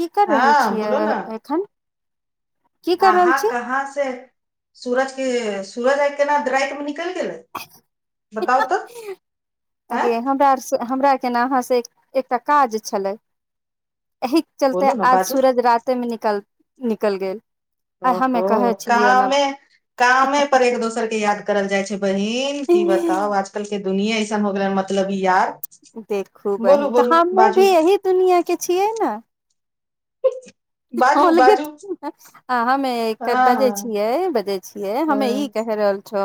की कर रहल हँ छियै बोलू एखन की कर रहल अहाॅं छी कहाँ से सूरज के सूरज आ केना र राति में निकैल देले [unintelligible] आँय अगे हम बर्स हमरा के ने अहाँ से एकटा काज छलै एहिक चलते बोलू ने आज बाजू सूरज राते मे निकल निकल गेल आ हमे ओहो कहै छलियै ओना कामे कामे पर एक दोसर के याद करल जाइ छै बहिन की बताउ आजकल के दुनिया ऐसन हो गेलै ह मतलब यार देखू बोलू बहिन तऽ बोलू हमे भी बाजू यही दुनिया के छियै ने बाजू अलगे बाजू आ हमे हँ बजै हँ छियै बजै छियै हमे ई हँ क रहल छौ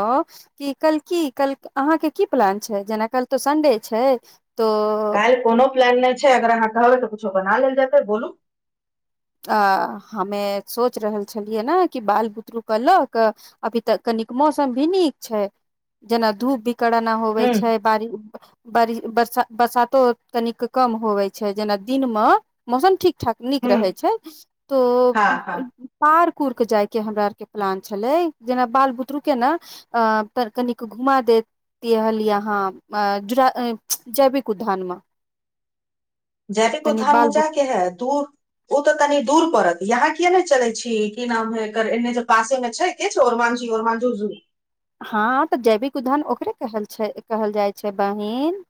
क कल की कल अहाँके की प्लान छै जेना कल तो सन्डे छै तो काल्हि कोनो प्लान नहि छै अगर अहाँ कहबै तऽ कुछो बना लेल जेतै बोलू अ हमे सोच रहल छलियै ने कि बाल बुतरू कहलक अभी तऽ कनिक मौसम भी नीक छै जेना धूप भी कराना होवे हूँ छै बरसातो तनिक कम होबै छै जेना दिनमे मौसम ठीक ठाक नीक हूँ रहै छै तो हँ हँ पार फुर्क जाय के हमरा आर के प्लान छलै जेना बाल बुतरू के ने अ तऽ कनिक घुमा देत दि हलिअहंन अ जरा जैविक उद्यानमे जैविक उद्धान मे जा के है दूर ओ तऽ तनी दूर पड़त यहाॅं किया ने चलै छी की नाम है एकर एन्ने जे पासे मे छै के छै ओरमान जी ओरम ज झुजुरी हँ तऽ जैविक उदरण ओकरे कहल छै कहल जाइ छै बहिन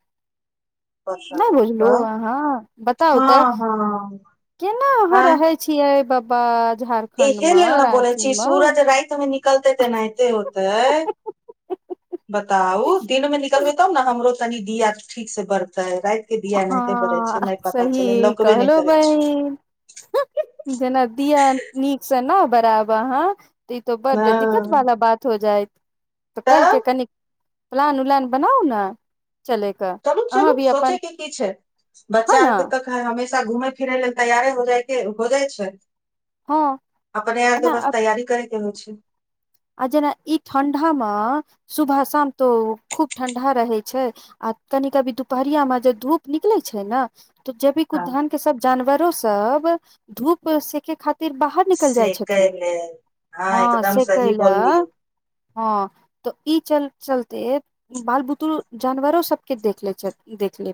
नहि बोझलहु अहाँ बताउ तऽ हँ हँ केना हो हँ रहै छिय बाबा झारख इहे लेल ने बोलै छी सूरज रातिमे निकलतै तेनाहिते होतै बताउ दिन में निकलबे तब ने हमरो तनि दिया ठीक से बढ़तै राट हँ सही लौकबे नहि कहलो करै छै बहिन जेना दिया नीक से न बराब अंहा तऽ ई तो बड् दिक्कत हँ वाला बात हो जायत तऽ कल के कनि प्लान उलान बनाउ ने चले के चलू अहाँ चलू भी सोचे अपन के की छै है बच्चा न के कखनो हमेशा घूमे फिरै लेल तैयारे हो जाइ हो जाइ छै हँ अपने आर के बस न तैयारी करे के होय छै आ जेना ई ठंडा मे सुबह शाम तो खूब ठंडा रहे छै आ तनिक अभी दुपहरियामे जे धूप निकलैत छै ने तऽ जैविक हाँ उद्यानो के सब जानवरो सब धूप सेके खातिर बाहर निकल से जाइ छथिन करि ले हँ एकदम से सही बोललियै हँ तऽ ई चल चलते बाल बुतुरु जानवरो सबके देखले देखले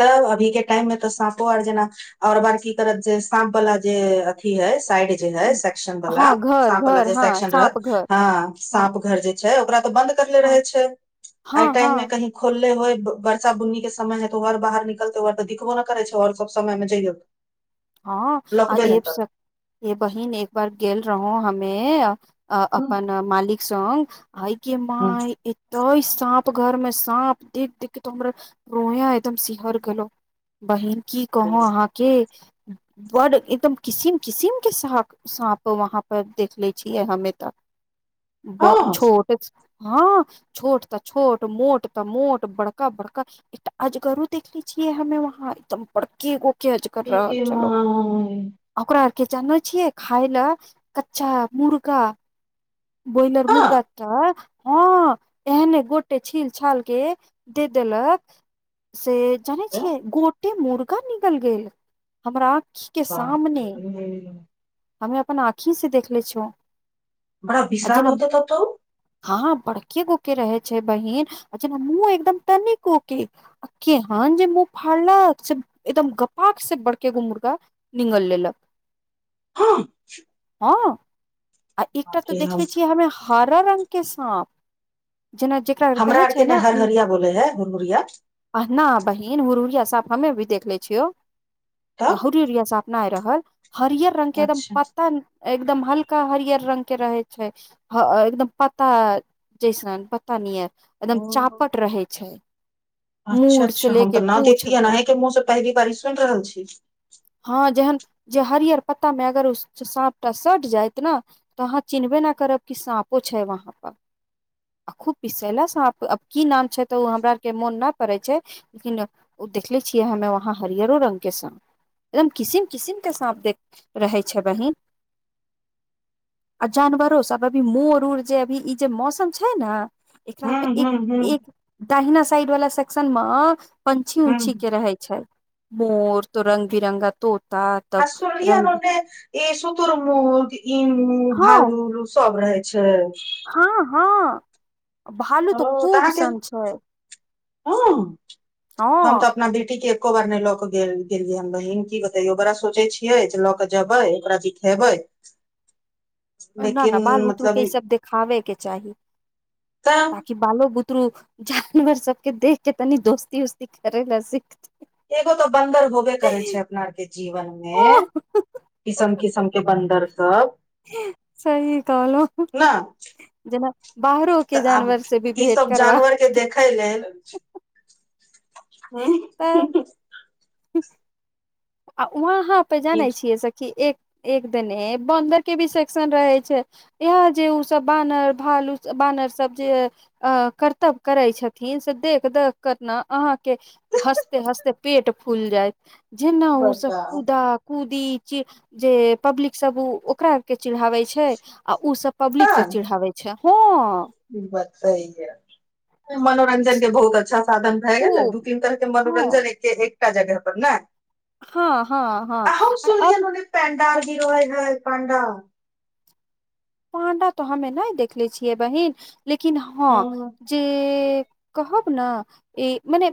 तब अभी के टाइम मे तऽ साँपो आर जेना और बार की करत जे साँप वाला जे अथी है साइड जे है सेक्शन हँ वला घर साँप वला घर जे हँ सेक्शन रह साँप घर हँ साँप घर जे छै ओकरा तऽ बंद करले हँ रहे छै हँ एहि टाइम में हँ कही खोलेहइ वर्षा बुन्नी के समय ह तोहर बाहर निकलते आर तऽ दिखबो ने करै छै आओर सब समय मे जइयौ हँ आ एब सख ए बहिन एक बार गेल रहौं हम्मे हँ अपन मलिक संग आइ गे माई तै साँप घर मे साँप देख देख तो हमर रोयां एकदम सिहर गेलौ बहिन की कहों अहाँके बड्ड एकदम किसिम किसिम के साँप साँप वहाँ पर देख ले छियै हम्मे तऽ ब छोट हँ छोट तऽ छोट मोट तऽ मोट बड़का बड़का एकटा अजगरो देखले छियै हम्मे वहाँ एकदम बड़केगो के अजगर रहल छलौ आ ओकरा आर के जानैय छियै खाय लए कच्चा मुर्गा बाॅयलर मुर्गाटा हँ एहने गोटे छील छाल के दे देलक से जानै हँ छियै गोटे मुर्गा निगल गेल हमरा [unintelligible] बापरे हमे अपन आँखी से देखले छौं बड़ा विशाल होतो तब तऽ उ हँ बड़के गोके रहे छै बहिन जेना मुँह एकदम तनी गोके आ केहन जे मुँह फाड़लक से एकदम गपाक से बड़केगो मुर्गा निगल लेलक हँ हँ आ एकटा तऽ रे हम देखले छियै हमे हरा रंग के साँप जेना जे हमरा आर के एने हरहरिया बोले है हुरहुरिया आ ना बहिन हुरूरिया साँप हमे भी देखले छियौ तब हुरूरिया साँप नहि रहल हरियर रंग के एकदम अच्छा पत्ता एकदम हल्का हरियर रंग के रहै छै एकदम पता जैसन पता नियन एकदम ओ चापट रहै छै अच्छा मूड़ से अच्छा ले हम के तऽ न पूछ देखलियै हन तक अहींके मुँहसँ पहली बारी सुनि रहल छी हँ जेहन जे हरियर पत्ता मे अगर ओ साँप टा सट जाइत ने तऽ अहाँ चिन्हबे न करब कि साँपो छै वहाँ पर आ खूब पिसैलाे साँप आब की नाम छै तऽ ओ हमरा आर के मोन नहि पड़े छै लेकिन उ देखले छियै हमे वहाँ हरियरो रंग के साँप एकदम किसिम किसिम के साँप देख रहे छै बहिन आ जानवरो सब अभी मोर उर जे अभी ई जे मौसम छै ने हूँ एकरामे एक हूँ हूँ एक दहिना साइड वाला सेक्शन मे पंछी हूँ उंछी के रहै छै मोर तो रंग बिरंगा तोंता आसल [unintelligible] मने ई सुतुर मुर्ग ई हँ भालु उलु सब रहै छै हँ हँ भालू तऽ ओ खूब अहाँके सन छै हँ हम तऽ हँ अपना बेटी के एको बार नहि लऽ के गेल गेलियै हन बहिन की बतैयो बड़ा सोचे छियै जे लऽ के जेबै ओकरा जे खेबय न न बाल बुतरुके मतलब ई सब देखाबेके चाही तऽ ता की बालो बुतरु जानवर सब के देख के तनि दोस्ती उस्ती करे ले सिख एगो तऽ बन्दर होबे करै छै अपना आर के जीवन मे किसम किसम के बन्दर सब सही कहलौं ने जेना बाहरो के तऽ आब जानवर से भी ई भेंट सब करबा जानवर के देख कितना खै लेल [unintelligible] उंम्म आ वहाँ पे जानै छियै सखी एक एक दने बन्दर के भी सेक्शन रहै छै यहाँ जे ओ सब बानर भालू बानर सब जे अ कर्तव्य करै छथिन से देख देख के ने अहाँके हँसते हँसते पेट फुलि जायइत जेना ओसभ बताउ कुदा कुदी जे जे पब्लिक सब ओ ओकरा और के चिढ़ाबै छै आ ओसभ पब्लिक क चिड़ाबै छै हँ ई बात सही है मनोरंजन के बहुत अच्छा साधन भए गेल दू खूब तीन तरहके मनोरंजन हँ एक एकटा जगह पर ने हँ हँ हँ आर अब पेड आर भी रोए ह पा्डा पाण्डा तऽ हमे नहि देखले छियै बहिन लेकिन हँ जे कहब ने ई मने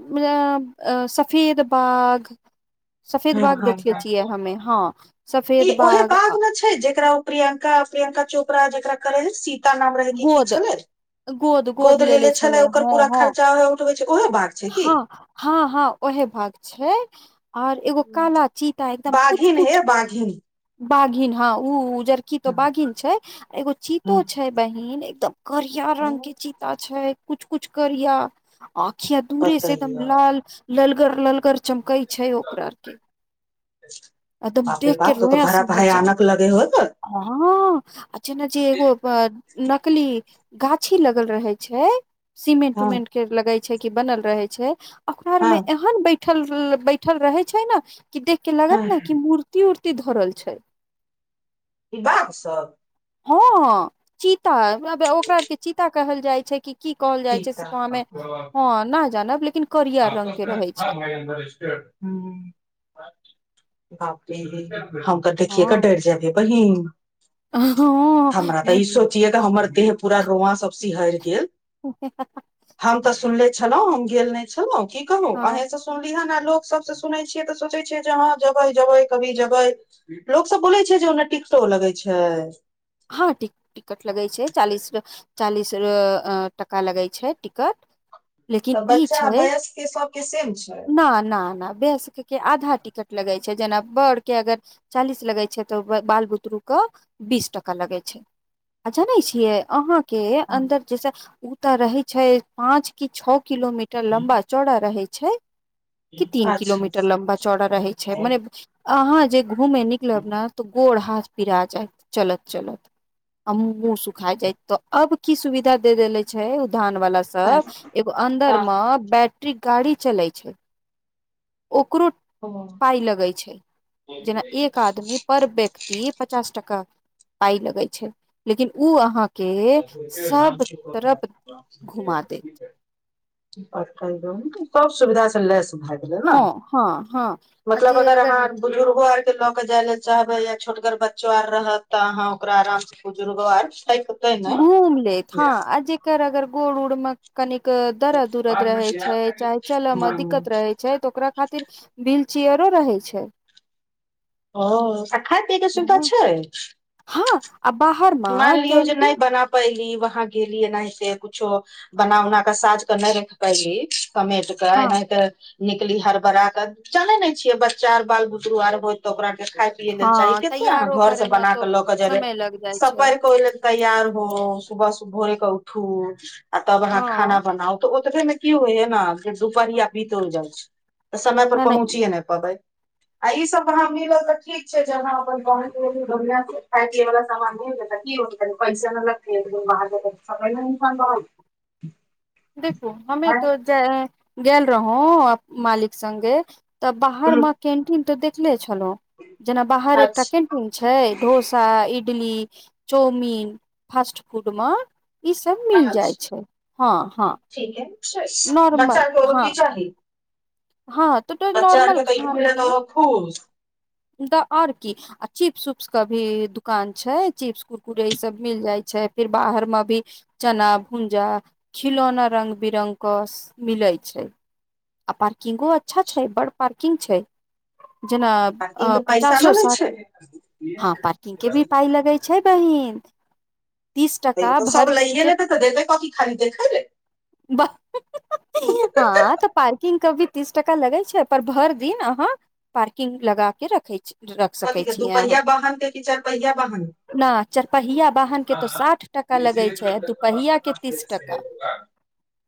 सफेद पऽग सफेद हँ बाग हँ देखले छियै हँ हमे हँ ई सफेद ओहे बाग बाघ ने जेकरा ओ प्रियंका प्रियंका चोपड़ा जेकरा कहे सीता नाम रहै की कि गोद छले गोद लेने छलै ओकर पूरा खर्चाह उठबै छै उहे भाग छै कि हँ हँ हँ ओहे भाग छै आऔर एगो काला चीता एकदम कुछ बाघिन हे कुछ बाघिन बाघिन हँ ओ उजरकी तो बाघिन छै एगो चीतो हूं छै बहिन एकदम करिया रंग के चीता छै कुछ कुछ करिया आखिया दूरे से एकदम बतैयौ लाल ललगर ललगर चमकई छै ओकरा आर के एकदम बापरे ऽ देख बाप तो तऽ भरा भायानक लगे होत आ हां हँ आ जे ने जे एगो नकली गाछी लगल रहे छै सीमेंट हँ उमेंट के लगे छै क बनल रहे छै ओकरा आर हँ मे एहन बैठ बैठल ऽ बैठल रहे छै ने कि देख के हँ लागत ने कि मूर्ति उर्ति धरल छै ई बाग सब हँ ह चीता ओकरा आर के चीता कहल जाइ छै कि की कहल जाइ छै से सीता कहमे हँ नहि जानब लेकिन करिया आ हँ रंग के रहै छै [unintelligible] अन्दर ह बाप रे हम तऽ देखियए कऽ हँ डर जेयब बहिन हँ हमरा तऽ ई नहि सोच हमर देह पूरा रोंवा सब सिहैर गेल हम तऽ सुने छलहुँ गेल ने छलहु कहू हँ अहीं से सुनली हन आ लोक सबस सुनै छियै तऽ सोचै छियै जे हहाँ जबै जेबै कभी जबै लोक सब बोलै छै जे ओन्ने टिकटो लगै छै हँ टिक टिकट लगै छै चालीस चालीस टका लगे छै टिकट लेकिन तऽ ई बच्चा आ छै वयस्क के सबके सेम छै न न नहि बेसके के आधा टिकट लगे छै जेना बड़ के अगर चालीस लगै छै तऽ बाल बुतरु के बीस टका लगै छै आ जानै छियै अहाँ के अन्दर जैसे उ तऽ रहै छै पाँच की छओ किलोमीटर लम्बा चौड़ा रहै छै कि तीन अच्छा किलोमीटर सब लम्बा चौड़ा रहै छै मने अहाँ जे घूमे निकलब ने त गोढ़ हा पिराज चलत चलत आ मुँहों सुखा जाय तऽ अब की सुविधा दे देेले छै ओ धान वाला सब एगो अन्दर मे बैट्ररी गाड़ी चले छै ओकरो पाय लगै छै जेना एक आदमी पर व्यक्त पचास टका पाय लगे छै लेकिन उ अहाँ के सब तरफ घुमा दे [unintelligible] सब सुविधा सु लै हरिजन हँ हँ हँ आ मतलव जे अगर अहा [unintelligible] बुजुर्गो आर के लऽ के जाय ले चाहबै या छोटगर बच्चो आर रहत तऽ अहाँ ओकरा आराम बुजुर्गों आर छैक घूम ले हँ आ जेर अगर गोड़ उड़म कनिक दरद उरद रहे छै चाहे चलय मे दिक्कत रहे छै तऽ ओकरा खातिर व्हील चेयरो रहै छै ओ आ खायइ पियैके सुविधा छै हँ आ बाहर मे कैन्टीन पयली वहाँ गेली एनाहिते कुछो बना उना कऽ सझ क नहि रख पैली कमेट कऽ हँ एनाहिते निकली हरबड़ा क चलैनै छियै बच्चा आर बाल बुतरु आर होत ते ओकरा आर के खाय पियए देल चाही हँ कते अहाँ तैयारो घर से करे मे बना कऽ तो लऽ के जेबे समय लग जाइ छै को ल तैयार हो सुबह सु भोरे कऽ उठू आ तब अहाँ हँ खाना बनाउ तऽ ओतबे मे की होइ है न दुपहरिया बीतल जाइ छै तऽ समय पर पहुँचियए नहि पबै आ ई सब वहाँ मिलल त ठीक छै जहा अपन ब खािय वाल ऽ की पैसा नहि लग ब [unintelligible] देखू हमे तऽ जा गेल रहौ मालिक सङगे तऽ बाहर मे कैन्टीन तऽ देखले छलहु जेना बाहर एकटा अच्छा कंट क छै ढोसा इडली चौमिन फास्ट फूडम ई सब मिल जाय अच्छा छै हँ हँ ठीक है म नॉर्मल चार हँ रगी छै ह [unintelligible] हँ तऽ बच्चा नॉर्मल आरके खान पियन तऽ खुश तऽ और की आ चिप्स उप्स के भी दुकान छै चिप्स कुरकुरे ई सब मिल जाइ छै फिर बाहर मे भी चना भुंजा खिलौना रंग बिरंग क मिलै छै आ पार्किंगो अच्छा छै बड पार्किंग छै जेना आ अ किनको पैसा पचासो न दै साठि छै तऽ हँ पार्किंगके भी पाइ लगैत छै बहिन तीस टका त भरि सब दिन के लैइए तऽ देै कथी खाली देखैै बाह हँ तऽ पार्किंग के भी तीस टका लगै छै पर भरि दिन अहाँ पार्किंग लगा के रखै छै कथी के दूपहिआा बाहन के की चार पहिआ बहान न चरपहिया वाहन के ह तो साठ टका लगै छै काम दुपहिया के तीस टका करा [unintelligible]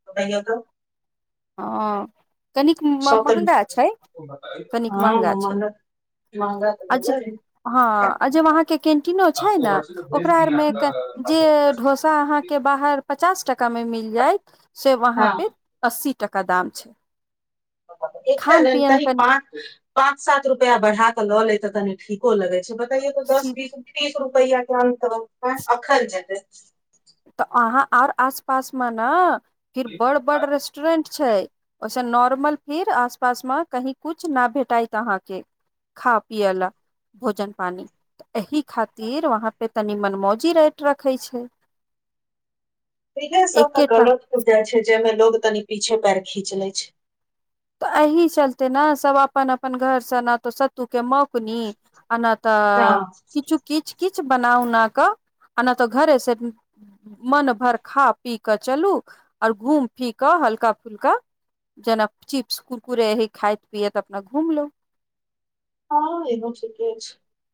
कह त [unintelligible] हँ कनिक सब तऽ महगा छै कनिक महँगा छै मंगा अच्छ हँ हँ अच्छा वहाँ ट छै न ओकरा आर मे क जे ा अहाँ के बाहर पचास टका में मिल जायत से वहां हँ पे अस्सी टका दाम छै एकटा खान नै त पियन ही के पाँच पाँंच सात रुपआ बढ़ा क तनी ललै छैत कनि ठीको लगे छै बताेयौ त दस बीस तीस रुपआ केम त अखन जेत तऽ अहाँ आओर आस पासमे न फिर बड़ बड रेस्टरेंट छै ओस नॉर्मल फेर आस पास मे कही कुछ न भेटत अहाँके खा पिए ला भोजन पानी तऽ एहि खातिर वहाँपे तनि मनमौजी रेट रखै छै इे सब तऽ एकेटा गलत उपजा छै जाहिमें लोग तनि पीछे पैर खींच ले छै तऽ एही चलते ने सभ अपन अपन घर सेन तऽ सत्तू के मकनी एना तऽ हँ किछु किच किच बना उना कऽ आना तऽ घरे स मन भर खा पी कऽ चलू आओर घूम फी कऽ हल्का फुल्क जेना चिप्स कुरकुरे है खाइत पियत अपना घुमल हँ इहो ठीके छै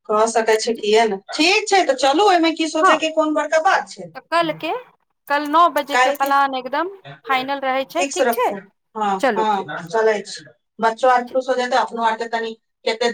कह सकै छै किए ने ठीक छै तऽ चलू ओहिम की हँ सोचेके कोन बड़का बात छ तऽ कल के कल नओ बजे के प्लान एकदम फाइनल रहै छै फिक्स ठीक छै रखू हँ चलू ठी हँ चलै छै बच्चो आर खुश हो जेतै अपनो आरके तनी कते